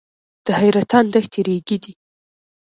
د حیرتان دښتې ریګي دي